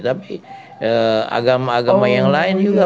tapi agama agama yang lain juga